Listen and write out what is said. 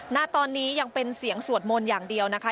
ณตอนนี้ยังเป็นเสียงสวดมนต์อย่างเดียวนะคะ